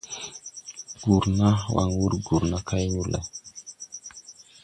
Gurna, waŋ wur gurna kay wur leʼ.